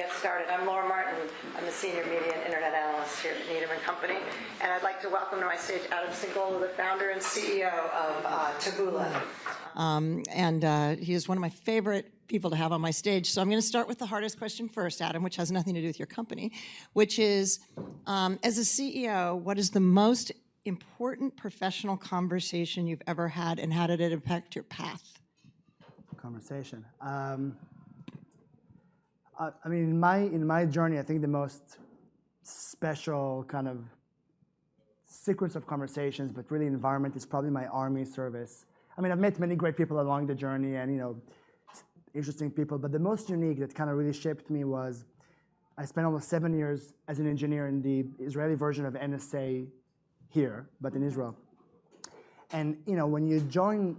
Going to get started. I'm Laura Martin. I'm the Senior Media and Internet Analyst here at Needham & Company, and I'd like to welcome to my stage Adam Singolda, the founder and CEO of Taboola. He is one of my favorite people to have on my stage. I'm going to start with the hardest question first, Adam, which has nothing to do with your company, which is, as a CEO, what is the most important professional conversation you've ever had, and how did it impact your path? I mean, in my journey, I think the most special kind of sequence of conversations, but really environment, is probably my Army service. I mean, I've met many great people along the journey and interesting people, but the most unique that kind of really shaped me was I spent almost seven years as an engineer in the Israeli version of NSA here, but in Israel. And when you join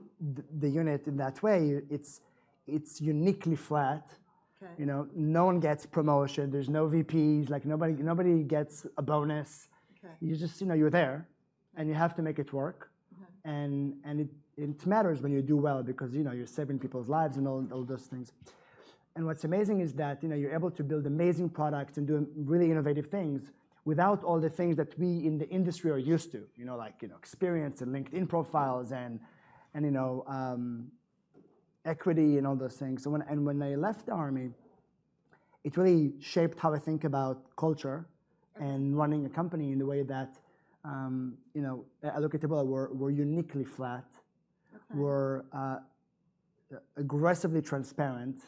the unit in that way, it's uniquely flat. No one gets promotion. There's no VPs. Nobody gets a bonus. You're there, and you have to make it work. And it matters when you do well because you're saving people's lives and all those things. What's amazing is that you're able to build amazing products and do really innovative things without all the things that we in the industry are used to, like experience and LinkedIn profiles and equity and all those things. When I left the Army, it really shaped how I think about culture and running a company in the way that I look at Taboola. We're uniquely flat. We're aggressively transparent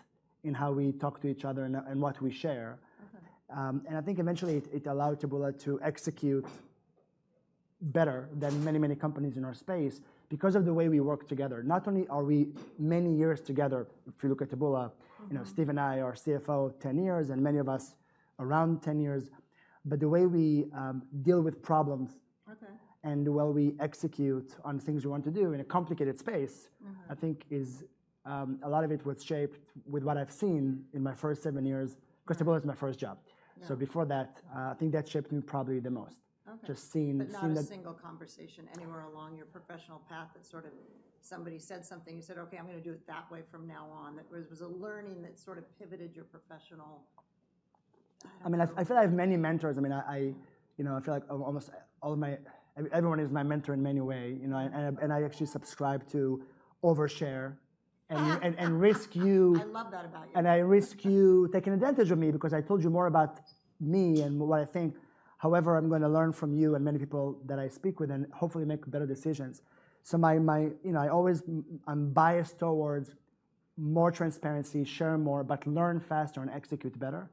in how we talk to each other and what we share. I think eventually it allowed Taboola to execute better than many, many companies in our space because of the way we work together. Not only are we many years together, if you look at Taboola, Steve and I are CFO 10 years and many of us around 10 years, but the way we deal with problems and the way we execute on things we want to do in a complicated space, I think a lot of it was shaped with what I've seen in my first 7 years, because Taboola is my first job. So before that, I think that shaped me probably the most, just seeing the. Not a single conversation anywhere along your professional path that sort of somebody said something, you said, OK, I'm going to do it that way from now on. Was it learning that sort of pivoted your professional? I mean, I feel like I have many mentors. I mean, I feel like almost everyone is my mentor in many ways. And I actually subscribe to overshare and risk you. I love that about you. I risk you taking advantage of me because I told you more about me and what I think. However, I'm going to learn from you and many people that I speak with and hopefully make better decisions. So I'm biased towards more transparency, share more, but learn faster and execute better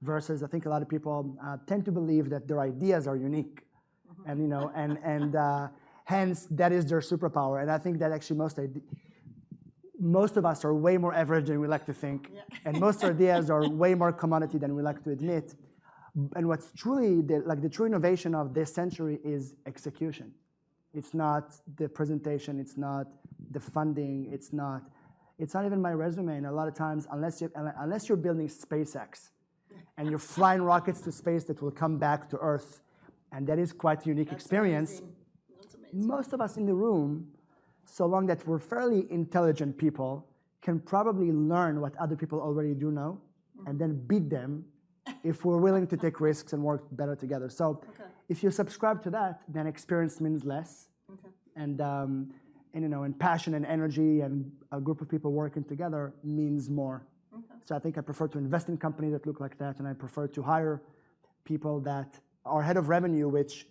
versus I think a lot of people tend to believe that their ideas are unique. And hence, that is their superpower. And I think that actually most of us are way more average than we like to think. And most ideas are way more commodity than we like to admit. And the true innovation of this century is execution. It's not the presentation. It's not the funding. It's not even my resume. And a lot of times, unless you're building SpaceX and you're flying rockets to space that will come back to Earth, and that is quite a unique experience, most of us in the room, so long that we're fairly intelligent people, can probably learn what other people already do know and then beat them if we're willing to take risks and work better together. So if you subscribe to that, then experience means less. And passion and energy and a group of people working together means more. So I think I prefer to invest in companies that look like that. And I prefer to hire people that are head of revenue, which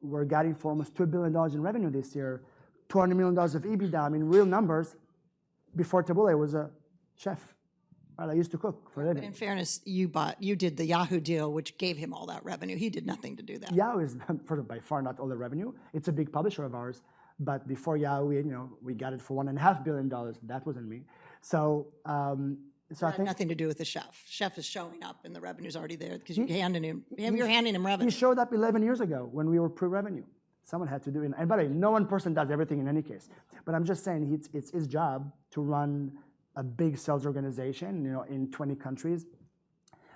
we're getting for almost $2 billion in revenue this year, $200 million of EBITDA. I mean, real numbers, before Taboola, it was a chef that used to cook for a living. But in fairness, you did the Yahoo deal, which gave him all that revenue. He did nothing to do that. Yahoo is by far not all the revenue. It's a big publisher of ours. But before Yahoo, we got it for $1.5 billion. That wasn't me. But nothing to do with the chef. The chef is showing up, and the revenue is already there because you're handing him revenue. He showed up 11 years ago when we were pre-revenue. Someone had to do it. And by the way, no one person does everything in any case. But I'm just saying it's his job to run a big sales organization in 20 countries.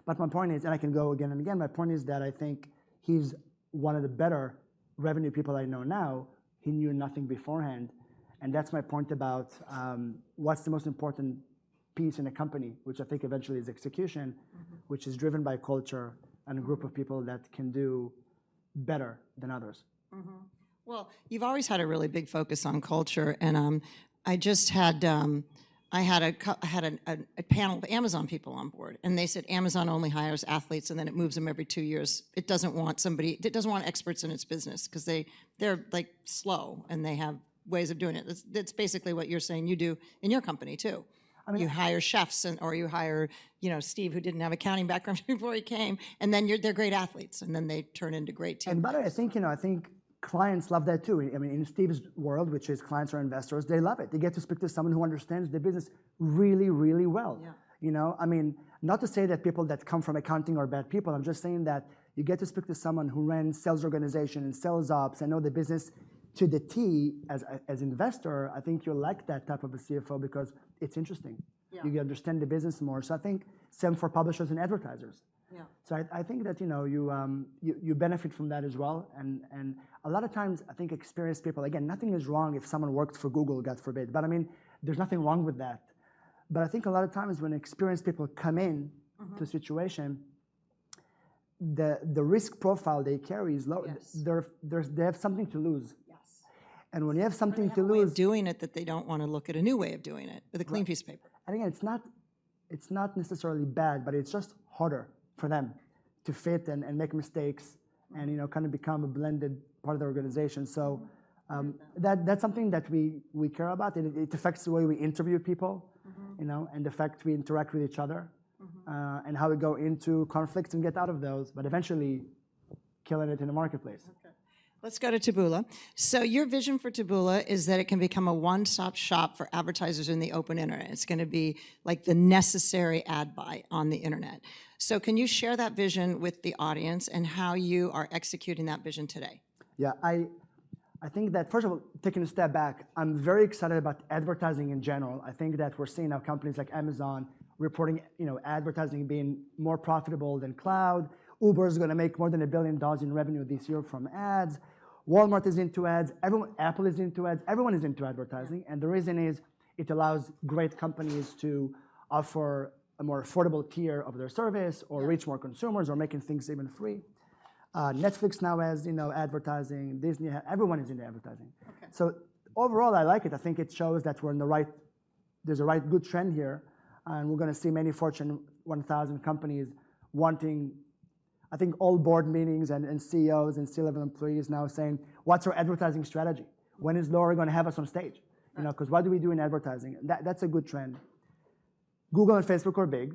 But my point is, and I can go again and again, my point is that I think he's one of the better revenue people I know now. He knew nothing beforehand. And that's my point about what's the most important piece in a company, which I think eventually is execution, which is driven by culture and a group of people that can do better than others. Well, you've always had a really big focus on culture. And I had a panel of Amazon people on board. And they said Amazon only hires athletes, and then it moves them every two years. It doesn't want experts in its business because they're slow, and they have ways of doing it. That's basically what you're saying you do in your company, too. You hire chefs, or you hire Steve, who didn't have accounting background before he came. And then they're great athletes, and then they turn into great team leaders. And by the way, I think clients love that, too. I mean, in Steve's world, which is clients or investors, they love it. They get to speak to someone who understands the business really, really well. I mean, not to say that people that come from accounting are bad people. I'm just saying that you get to speak to someone who runs sales organizations and sales ops and knows the business to the T as an investor. I think you'll like that type of a CFO because it's interesting. You understand the business more. So I think same for publishers and advertisers. So I think that you benefit from that as well. And a lot of times, I think experienced people, again, nothing is wrong if someone worked for Google, God forbid. But I mean, there's nothing wrong with that. But I think a lot of times when experienced people come into a situation, the risk profile they carry is lower. They have something to lose. And when you have something to lose. And they're doing it that they don't want to look at a new way of doing it, the clean piece of paper. And again, it's not necessarily bad, but it's just harder for them to fit and make mistakes and kind of become a blended part of the organization. So that's something that we care about. And it affects the way we interview people and the fact we interact with each other and how we go into conflicts and get out of those, but eventually killing it in the marketplace. Let's go to Taboola. So your vision for Taboola is that it can become a one-stop shop for advertisers in the open internet. It's going to be like the necessary ad buy on the internet. So can you share that vision with the audience and how you are executing that vision today? Yeah. I think that, first of all, taking a step back, I'm very excited about advertising in general. I think that we're seeing now companies like Amazon reporting advertising being more profitable than cloud. Uber is going to make more than $1 billion in revenue this year from ads. Walmart is into ads. Apple is into ads. Everyone is into advertising. And the reason is it allows great companies to offer a more affordable tier of their service or reach more consumers or making things even free. Netflix now has advertising. Disney, everyone is into advertising. So overall, I like it. I think it shows that we're in the right, there's a right good trend here. And we're going to see many Fortune 1000 companies wanting, I think, all board meetings and CEOs and C-level employees now saying, what's our advertising strategy? When is Laura going to have us on stage? Because what do we do in advertising? That's a good trend. Google and Facebook are big.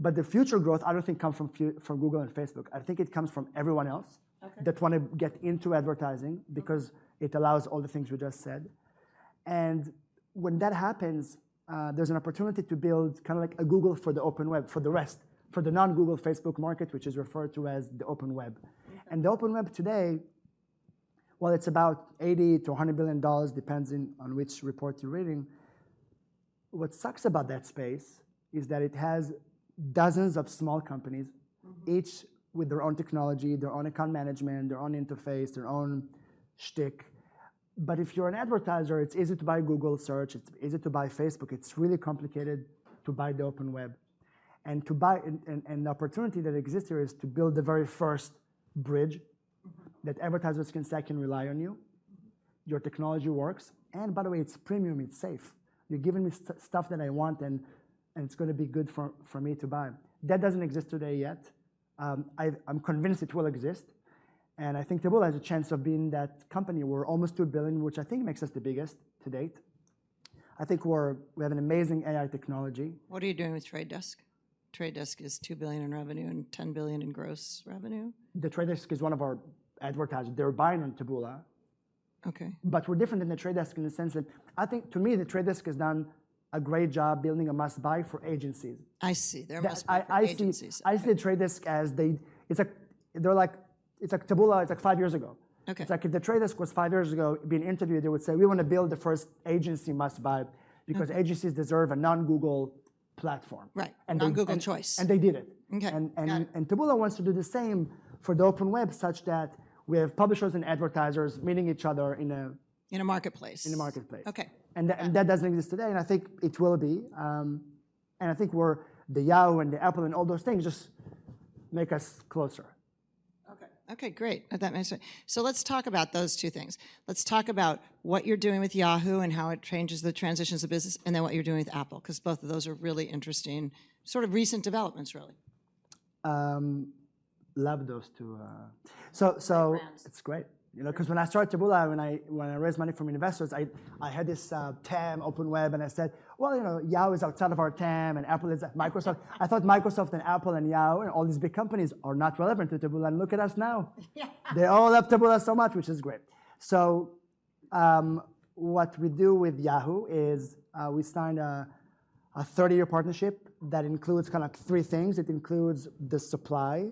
But the future growth, I don't think, comes from Google and Facebook. I think it comes from everyone else that want to get into advertising because it allows all the things we just said. And when that happens, there's an opportunity to build kind of like a Google for the Open Web for the rest, for the non-Google Facebook market, which is referred to as the Open Web. And the Open Web today, while it's about $80 billion-$100 billion, depends on which report you're reading, what sucks about that space is that it has dozens of small companies, each with their own technology, their own account management, their own interface, their own shtick. But if you're an advertiser, it's easy to buy Google Search. It's easy to buy Facebook. It's really complicated to buy the open web. And the opportunity that exists here is to build the very first bridge that advertisers can secondarily rely on you. Your technology works. And by the way, it's premium. It's safe. You're giving me stuff that I want, and it's going to be good for me to buy. That doesn't exist today yet. I'm convinced it will exist. And I think Taboola has a chance of being that company. We're almost $2 billion, which I think makes us the biggest to date. I think we have an amazing AI technology. What are you doing with Trade Desk? Trade Desk is $2 billion in revenue and $10 billion in gross revenue. The Trade Desk is one of our advertisers. They're buying on Taboola. But we're different than the Trade Desk in the sense that I think, to me, the Trade Desk has done a great job building a must-buy for agencies. I see. They're a must-buy for agencies. I see the Trade Desk as they're like Taboola. It's like five years ago. It's like if the Trade Desk was five years ago being interviewed, they would say, we want to build the first agency must-buy because agencies deserve a non-Google platform. Right. Non-Google choice. They did it. Taboola wants to do the same for the Open Web such that we have publishers and advertisers meeting each other in a. In a marketplace. In a marketplace. That doesn't exist today. I think it will be. I think the Yahoo and the Apple and all those things just make us closer. OK. OK, great. That makes sense. So let's talk about those two things. Let's talk about what you're doing with Yahoo and how it changes the transitions of business, and then what you're doing with Apple because both of those are really interesting sort of recent developments, really. Love those two. It's great. Because when I started Taboola, when I raised money from investors, I had this TAM open web. I said, well, Yahoo is outside of our TAM, and Microsoft I thought Microsoft and Apple and Yahoo and all these big companies are not relevant to Taboola. Look at us now. They all love Taboola so much, which is great. What we do with Yahoo is we signed a 30-year partnership that includes kind of three things. It includes the supply,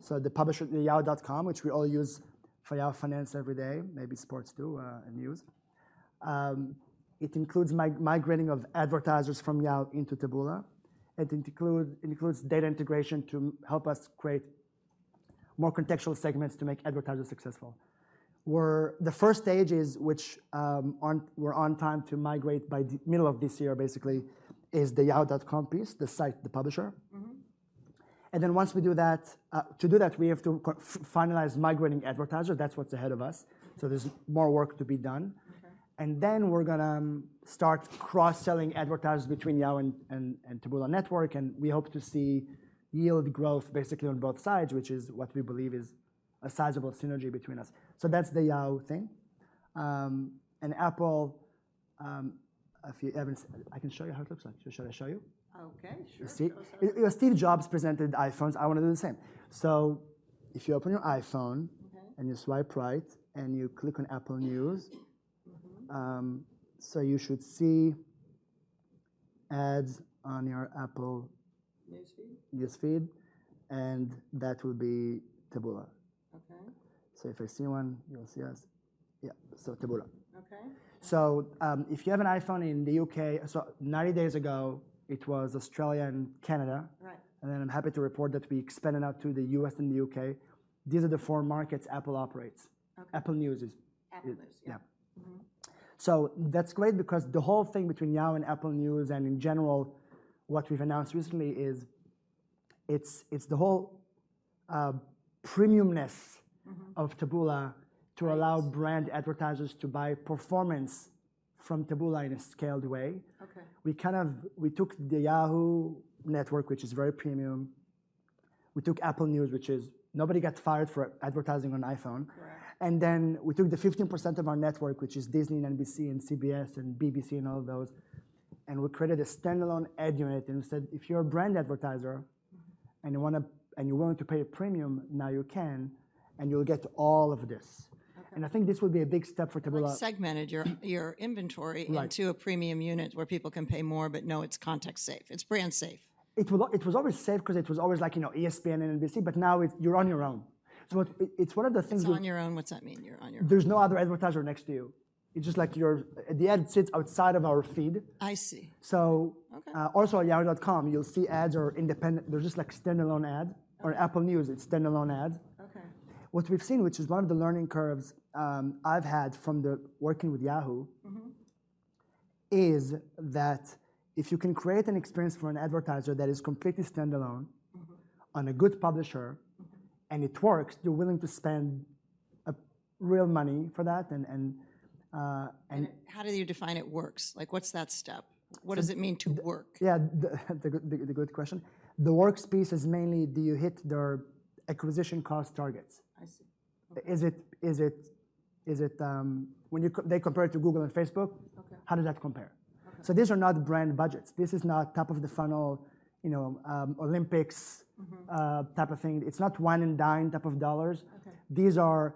so the Yahoo.com, which we all use for Yahoo Finance every day, maybe sports too and news. It includes migrating advertisers from Yahoo into Taboola. It includes data integration to help us create more contextual segments to make advertisers successful. The first stages, which we're on time to migrate by the middle of this year, basically, is the Yahoo.com piece, the site, the publisher. And then once we do that, to do that, we have to finalize migrating advertisers. That's what's ahead of us. So there's more work to be done. And then we're going to start cross-selling advertisers between Yahoo and Taboola Network. And we hope to see yield growth basically on both sides, which is what we believe is a sizable synergy between us. So that's the Yahoo thing. And Apple, I can show you how it looks like. Should I show you? OK. Sure. You see? Steve Jobs presented iPhones. I want to do the same. So if you open your iPhone and you swipe right and you click on Apple News, so you should see ads on your Apple. News feed. News feed. And that will be Taboola. So if I see one, you'll see us. Yeah. So Taboola. So if you have an iPhone in the U.K., so 90 days ago, it was Australia and Canada. And then I'm happy to report that we expanded out to the U.S. and the U.K. These are the four markets Apple operates. Apple News is. Apple News, yeah. Yeah. So that's great because the whole thing between Yahoo and Apple News and in general, what we've announced recently is it's the whole premiumness of Taboola to allow brand advertisers to buy performance from Taboola in a scaled way. We took the Yahoo Network, which is very premium. We took Apple News, which is nobody got fired for advertising on iPhone. And then we took the 15% of our network, which is Disney and NBC and CBS and BBC and all of those. And we created a standalone ad unit. And we said, if you're a brand advertiser and you're willing to pay a premium, now you can. And you'll get all of this. And I think this will be a big step for Taboola. You're segmenting your inventory into a premium unit where people can pay more but know it's context-safe. It's brand-safe. It was always safe because it was always like ESPN and NBC. But now you're on your own. It's one of the things. It's on your own. What's that mean, you're on your own? There's no other advertiser next to you. It's just like the ad sits outside of our feed. I see. Also at Yahoo.com, you'll see ads are independent. There's just like standalone ads. On Apple News, it's standalone ads. What we've seen, which is one of the learning curves I've had from working with Yahoo, is that if you can create an experience for an advertiser that is completely standalone on a good publisher and it works, you're willing to spend real money for that. How do you define it works? What's that step? What does it mean to work? Yeah. The good question. The works piece is mainly, do you hit their acquisition cost targets? I see. Is it when they compare it to Google and Facebook, how does that compare? So these are not brand budgets. This is not top of the funnel, Olympics type of thing. It's not one and dime type of dollars. These are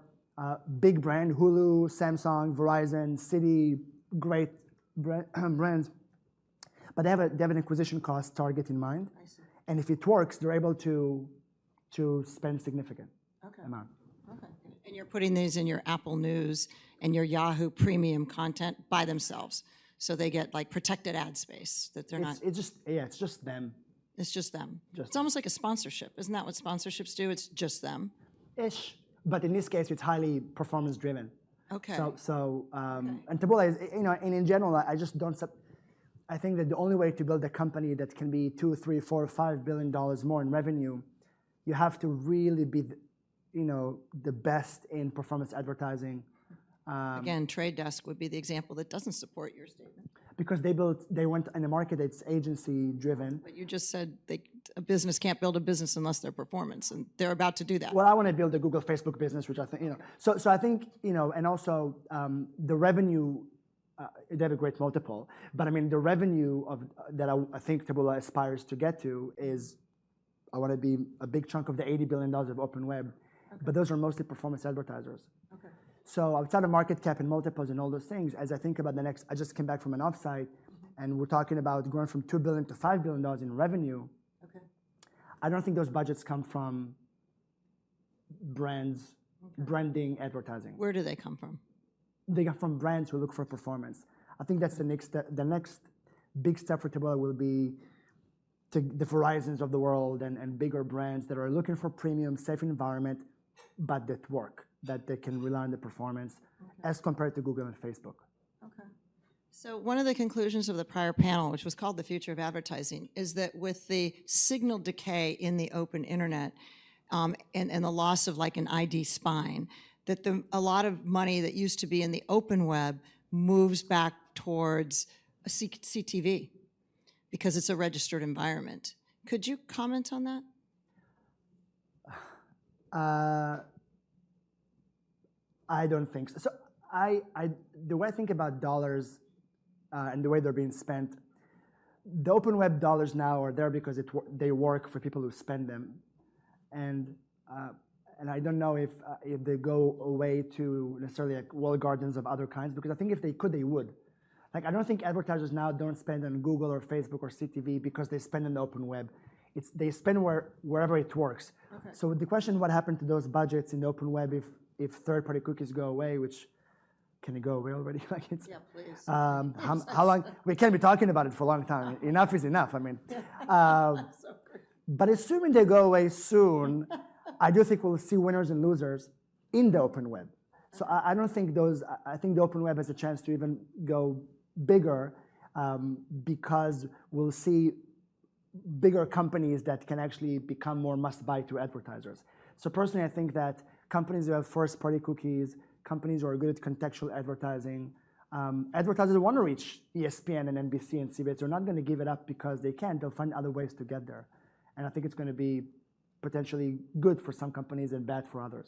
big brands: Hulu, Samsung, Verizon, Citi, great brands. But they have an acquisition cost target in mind. And if it works, they're able to spend a significant amount. OK. And you're putting these in your Apple News and your Yahoo Premium content by themselves. So they get protected ad space that they're not. Yeah. It's just them. It's just them. It's almost like a sponsorship. Isn't that what sponsorships do? It's just them. Ish. But in this case, it's highly performance-driven. And Taboola, in general, I just don't, I think that the only way to build a company that can be $2-$5 billion more in revenue. You have to really be the best in performance advertising. Again, Trade Desk would be the example that doesn't support your statement. Because they went in a market that's agency-driven. But you just said a business can't build a business unless they're performance. And they're about to do that. Well, I want to build a Google Facebook business, which I think so I think and also, the revenue, they have a great multiple. But I mean, the revenue that I think Taboola aspires to get to is I want to be a big chunk of the $80 billion of Open Web. But those are mostly performance advertisers. So outside of market cap and multiples and all those things, as I think about the next I just came back from an offsite. And we're talking about growing from $2 billion-$5 billion in revenue. I don't think those budgets come from brands branding advertising. Where do they come from? They come from brands who look for performance. I think that's the next big step for Taboola will be to the horizons of the world and bigger brands that are looking for a premium, safe environment, but that work, that they can rely on the performance as compared to Google and Facebook. OK. So one of the conclusions of the prior panel, which was called "The Future of Advertising," is that with the signal decay in the open internet and the loss of an ID spine, that a lot of money that used to be in the open web moves back towards CTV because it's a registered environment. Could you comment on that? I don't think so. So the way I think about dollars and the way they're being spent, the Open Web dollars now are there because they work for people who spend them. And I don't know if they go away to necessarily like walled gardens of other kinds because I think if they could, they would. I don't think advertisers now don't spend on Google or Facebook or CTV because they spend on the Open Web. They spend wherever it works. So the question, what happened to those budgets in the Open Web if third-party cookies go away, which can they go away already? Yeah, please. We can be talking about it for a long time. Enough is enough. I mean. That's so great. But assuming they go away soon, I do think we'll see winners and losers in the Open Web. So I don't think. I think the Open Web has a chance to even go bigger because we'll see bigger companies that can actually become more must-buy to advertisers. So personally, I think that companies who have first-party cookies, companies who are good at contextual advertising, advertisers want to reach ESPN and NBC and CBS. They're not going to give it up because they can't. They'll find other ways to get there. And I think it's going to be potentially good for some companies and bad for others.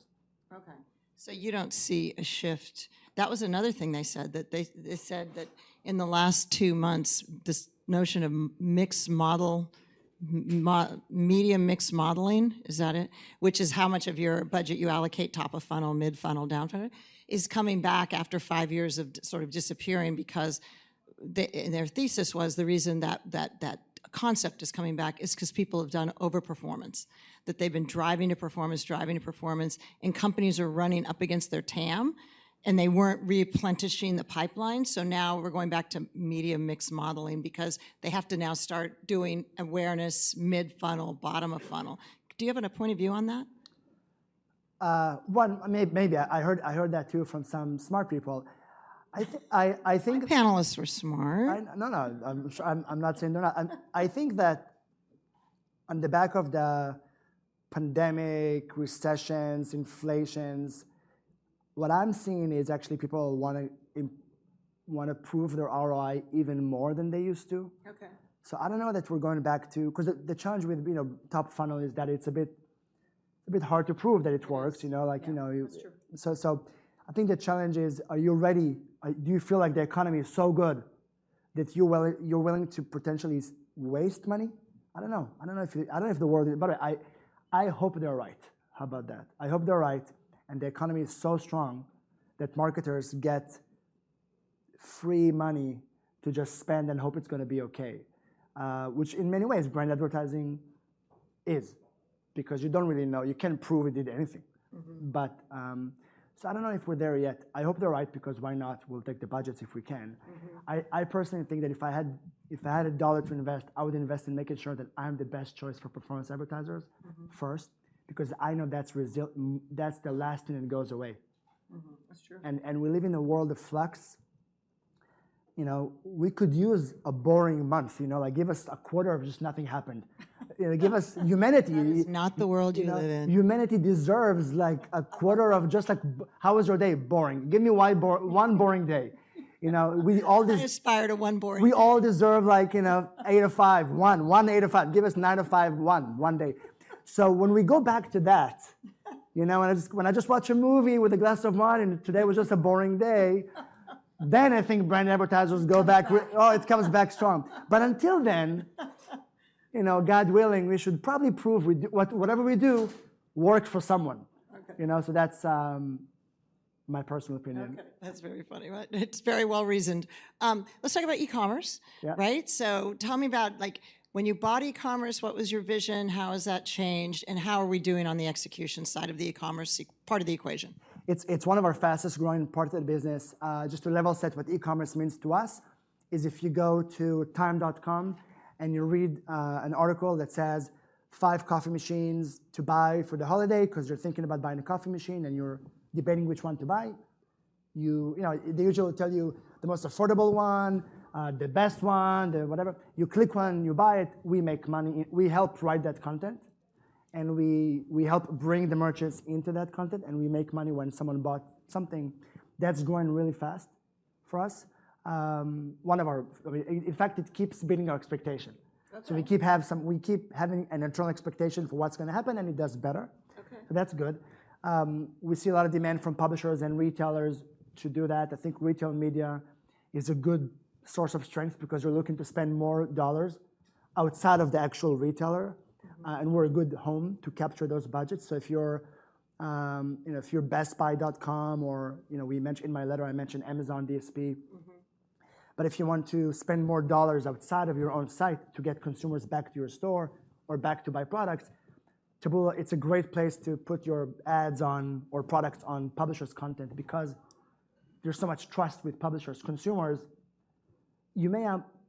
OK. So you don't see a shift. That was another thing they said. They said that in the last two months, this notion of media mix modeling, is that it? Which is how much of your budget you allocate top of funnel, mid funnel, down funnel, is coming back after five years of sort of disappearing because their thesis was the reason that concept is coming back is because people have done overperformance, that they've been driving to performance, driving to performance. And companies are running up against their TAM. And they weren't replenishing the pipeline. So now we're going back to media mix modeling because they have to now start doing awareness mid funnel, bottom of funnel. Do you have a point of view on that? 1. Maybe. I heard that too from some smart people. I think. The panelists were smart. No, no. I'm not saying they're not. I think that on the back of the pandemic, recessions, inflations, what I'm seeing is actually people want to prove their ROI even more than they used to. So I don't know that we're going back to because the challenge with top funnel is that it's a bit hard to prove that it works. That's true. So, I think the challenge is, are you ready? Do you feel like the economy is so good that you're willing to potentially waste money? I don't know. I don't know if the word by the way, I hope they're right. How about that? I hope they're right. And the economy is so strong that marketers get free money to just spend and hope it's going to be OK, which in many ways, brand advertising is because you don't really know. You can't prove it did anything. So I don't know if we're there yet. I hope they're right because why not? We'll take the budgets if we can. I personally think that if I had a $1 to invest, I would invest in making sure that I'm the best choice for performance advertisers first because I know that's the last thing that goes away. That's true. We live in a world of flux. We could use a boring month. Give us a quarter of just nothing happened. Give us humanity. It's not the world you live in. Humanity deserves a quarter of just like, how was your day? Boring. Give me one boring day. You're inspired of one boring. We all deserve like 8:00 to 5:00, 1:00, 1:00 to 8:00 to 5:00. Give us 9:00 to 5:00, 1:00, one day. So when we go back to that, when I just watch a movie with a glass of wine and today was just a boring day, then I think brand advertisers go back. Oh, it comes back strong. But until then, God willing, we should probably prove whatever we do works for someone. So that's my personal opinion. OK. That's very funny, right? It's very well reasoned. Let's talk about e-commerce. So tell me about when you bought e-commerce, what was your vision? How has that changed? And how are we doing on the execution side of the e-commerce part of the equation? It's one of our fastest-growing parts of the business. Just to level set what e-commerce means to us is if you go to Time.com and you read an article that says five coffee machines to buy for the holiday because you're thinking about buying a coffee machine and you're debating which one to buy, they usually tell you the most affordable one, the best one, whatever. You click one, you buy it. We help write that content. And we help bring the merchants into that content. And we make money when someone bought something. That's growing really fast for us. In fact, it keeps beating our expectation. So we keep having an internal expectation for what's going to happen. And it does better. So that's good. We see a lot of demand from publishers and retailers to do that. I think retail media is a good source of strength because you're looking to spend more dollars outside of the actual retailer. We're a good home to capture those budgets. If you're Best Buy or we mentioned in my letter, I mentioned Amazon DSP. If you want to spend more dollars outside of your own site to get consumers back to your store or back to buy products, Taboola it's a great place to put your ads on or products on publishers' content because there's so much trust with publishers. Consumers,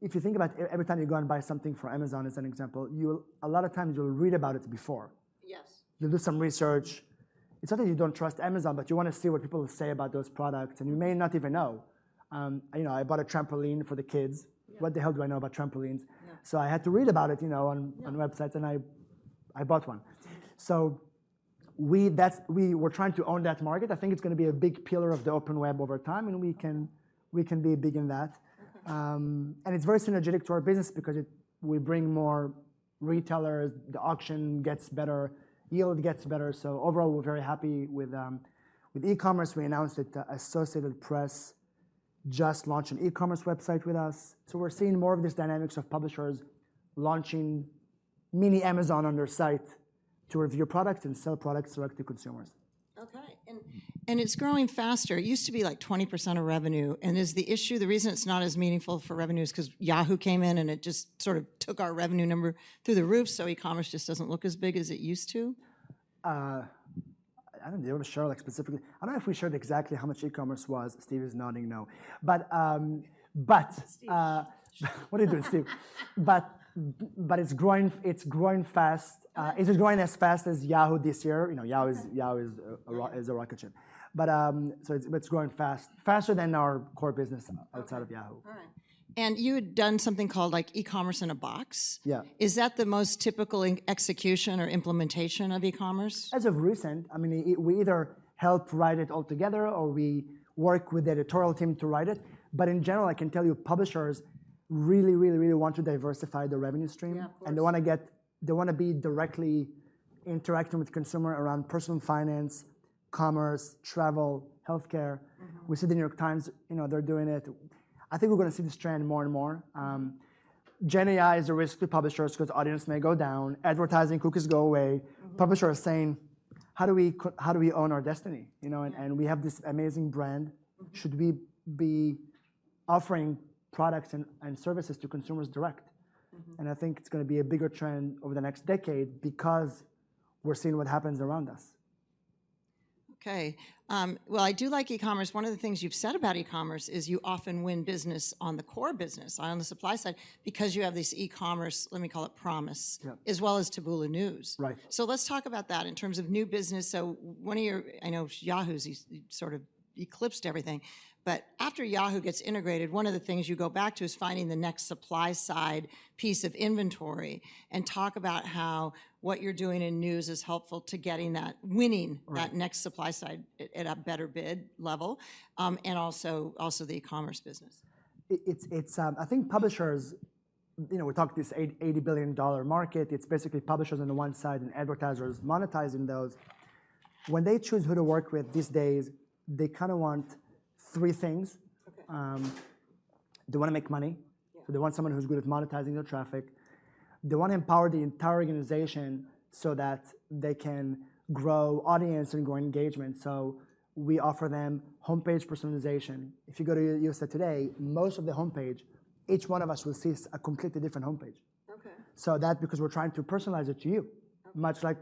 if you think about every time you go and buy something from Amazon, as an example, a lot of times you'll read about it before. You'll do some research. It's not that you don't trust Amazon, but you want to see what people say about those products. You may not even know. I bought a trampoline for the kids. What the hell do I know about trampolines? So I had to read about it on websites. And I bought one. So we're trying to own that market. I think it's going to be a big pillar of the Open Web over time. And we can be big in that. And it's very synergetic to our business because we bring more retailers. The auction gets better. Yield gets better. So overall, we're very happy with e-commerce. We announced that Associated Press just launched an e-commerce website with us. So we're seeing more of this dynamics of publishers launching mini Amazon on their site to review products and sell products direct to consumers. OK. It's growing faster. It used to be like 20% of revenue. Is the issue the reason it's not as meaningful for revenue is because Yahoo came in and it just sort of took our revenue number through the roof? E-commerce just doesn't look as big as it used to? I don't know. Do you want to share specifically? I don't know if we shared exactly how much e-commerce was. Steve is nodding no. But what are you doing, Steve? But it's growing fast. Is it growing as fast as Yahoo this year? Yahoo is a rocket ship. But it's growing fast, faster than our core business outside of Yahoo. All right. You had done something called e-commerce in a box. Is that the most typical execution or implementation of e-commerce? As of recent, I mean, we either help write it altogether or we work with the editorial team to write it. But in general, I can tell you publishers really, really, really want to diversify the revenue stream. And they want to be directly interacting with consumers around personal finance, commerce, travel, health care. We see the New York Times. They're doing it. I think we're going to see this trend more and more. Gen AI is a risk to publishers because audiences may go down. Advertising cookies go away. Publishers are saying, how do we own our destiny? And we have this amazing brand. Should we be offering products and services to consumers direct? And I think it's going to be a bigger trend over the next decade because we're seeing what happens around us. OK. Well, I do like e-commerce. One of the things you've said about e-commerce is you often win business on the core business, on the supply side, because you have this e-commerce, let me call it, promise as well as Taboola News. So let's talk about that in terms of new business. So one of yours, I know, Yahoo's sort of eclipsed everything. But after Yahoo gets integrated, one of the things you go back to is finding the next supply side piece of inventory and talk about how what you're doing in news is helpful to getting that winning that next supply side at a better bid level and also the e-commerce business. I think publishers we're talking this $80 billion market. It's basically publishers on the one side and advertisers monetizing those. When they choose who to work with these days, they kind of want three things. They want to make money. So they want someone who's good at monetizing their traffic. They want to empower the entire organization so that they can grow audience and grow engagement. So we offer them home page personalization. If you go to USA TODAY, most of the home page, each one of us will see a completely different home page. So that's because we're trying to personalize it to you, much like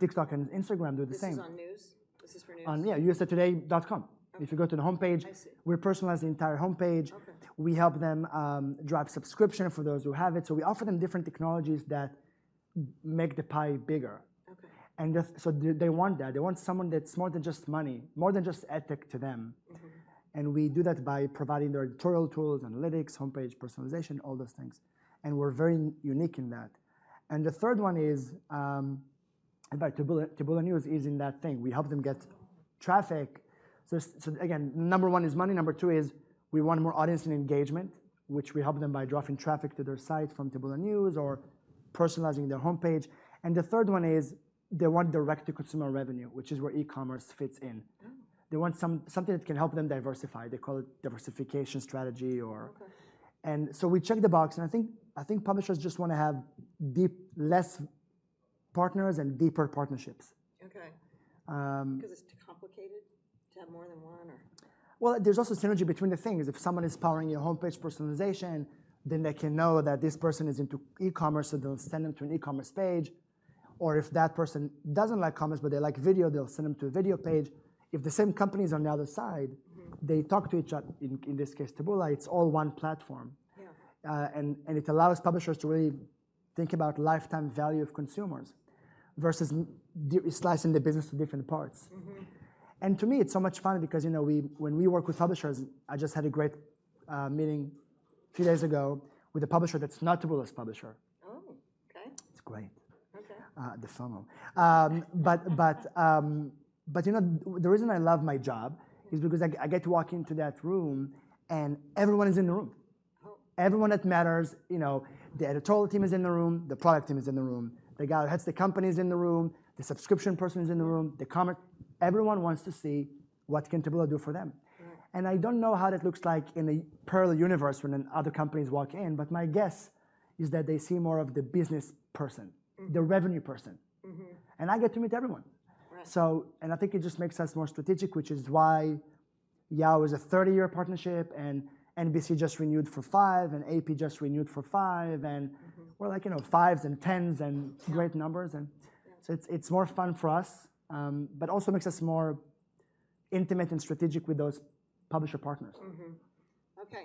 TikTok and Instagram do the same. This is on news? Is this for news? Yeah, USA Today.com. If you go to the home page, we personalize the entire home page. We help them drive subscription for those who have it. So we offer them different technologies that make the pie bigger. And so they want that. They want someone that's more than just money, more than just ethics to them. And we do that by providing their editorial tools, analytics, home page personalization, all those things. And we're very unique in that. And the third one is Taboola News is in that thing. We help them get traffic. So again, number one is money. Number two is we want more audience and engagement, which we help them by dropping traffic to their site from Taboola News or personalizing their home page. And the third one is they want direct-to-consumer revenue, which is where e-commerce fits in. They want something that can help them diversify. They call it diversification strategy. So we check the box. I think publishers just want to have less partners and deeper partnerships. OK. Because it's too complicated to have more than one? Well, there's also synergy between the things. If someone is powering your home page personalization, then they can know that this person is into e-commerce. So they'll send them to an e-commerce page. Or if that person doesn't like commerce but they like video, they'll send them to a video page. If the same company is on the other side, they talk to each other. In this case, Taboola, it's all one platform. And it allows publishers to really think about lifetime value of consumers versus slicing the business to different parts. And to me, it's so much fun because when we work with publishers, I just had a great meeting a few days ago with a publisher that's not Taboola's publisher. Oh, OK. It's great. The FOMO. But the reason I love my job is because I get to walk into that room and everyone is in the room. Everyone that matters, the editorial team is in the room. The product team is in the room. The guy who heads the company is in the room. The subscription person is in the room. Everyone wants to see what can Taboola do for them. And I don't know how that looks like in a parallel universe when other companies walk in. But my guess is that they see more of the business person, the revenue person. And I get to meet everyone. And I think it just makes us more strategic, which is why Yahoo is a 30-year partnership. And NBC just renewed for 5. And AP just renewed for 5. And we're like 5s and 10s and great numbers. And so it's more fun for us but also makes us more intimate and strategic with those publisher partners. OK.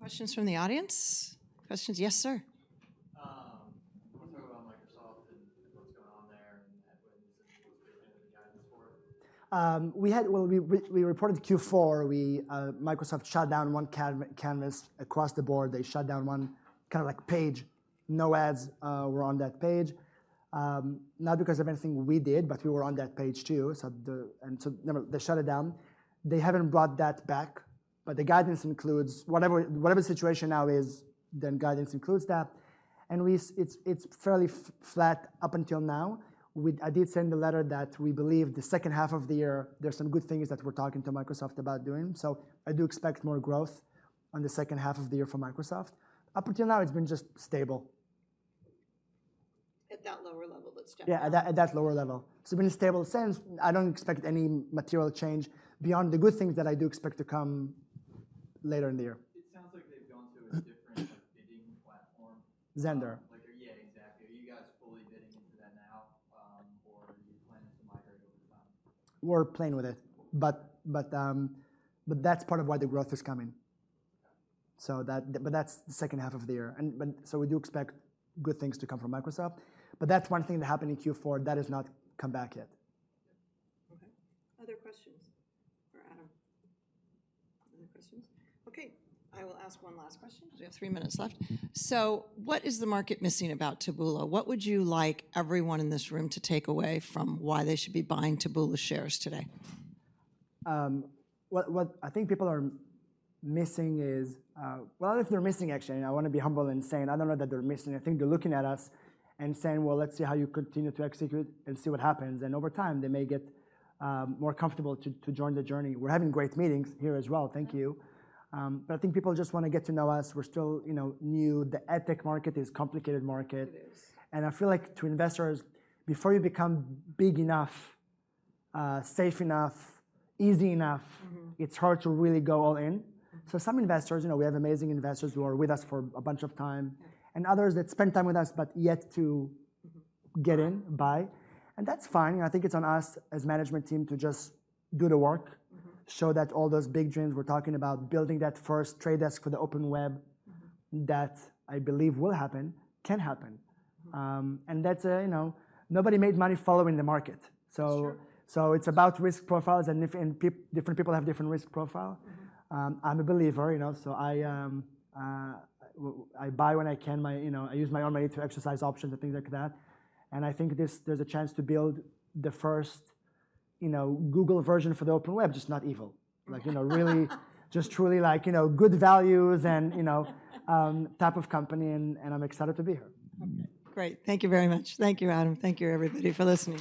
Questions from the audience? Questions? Yes, sir. We're talking about Microsoft and what's going on there, and headwind is the big hand in the guidance for it. Well, we reported Q4. Microsoft shut down one canvas across the board. They shut down one kind of like page. No ads were on that page, not because of anything we did, but we were on that page too. And so they shut it down. They haven't brought that back. But the guidance includes whatever the situation now is, then guidance includes that. And it's fairly flat up until now. I did send a letter that we believe the second half of the year, there are some good things that we're talking to Microsoft about doing. So I do expect more growth on the second half of the year for Microsoft. Up until now, it's been just stable. At that lower level, that's general. Yeah, at that lower level. It's been stable since. I don't expect any material change beyond the good things that I do expect to come later in the year. It sounds like they've gone to a different bidding platform. Xandr. Yeah, exactly. Are you guys fully bidding into that now? Or are you planning to migrate over time? We're playing with it. That's part of why the growth is coming. That's the second half of the year. We do expect good things to come from Microsoft. That's one thing that happened in Q4 that has not come back yet. OK. Other questions for Adam? Other questions? OK. I will ask one last question because we have three minutes left. What is the market missing about Taboola? What would you like everyone in this room to take away from why they should be buying Taboola shares today? What I think people are missing is well, if they're missing, actually, I want to be humble and saying I don't know that they're missing. I think they're looking at us and saying, well, let's see how you continue to execute and see what happens. And over time, they may get more comfortable to join the journey. We're having great meetings here as well. Thank you. But I think people just want to get to know us. We're still new. The ad tech market is a complicated market. And I feel like to investors, before you become big enough, safe enough, easy enough, it's hard to really go all in. So some investors we have amazing investors who are with us for a bunch of time and others that spend time with us but yet to get in, buy. And that's fine. I think it's on us as management team to just do the work, show that all those big dreams we're talking about, building that first trade desk for the open web that I believe will happen, can happen. Nobody made money following the market. It's about risk profiles. Different people have different risk profiles. I'm a believer. I buy when I can. I use my own money to exercise options and things like that. I think there's a chance to build the first Google version for the open web, just not evil, really just truly like good values and type of company. I'm excited to be here. OK. Great. Thank you very much. Thank you, Adam. Thank you, everybody, for listening.